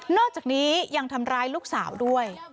อกจากนี้ยังทำร้ายลูกสาวด้วย